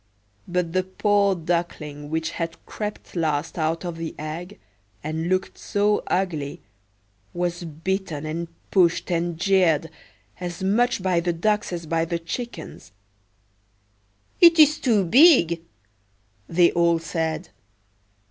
But the poor Duckling which had crept last out of the egg, and looked so ugly, was bitten and pushed and jeered, as much by the ducks as by the chickens."It is too big!" they all said.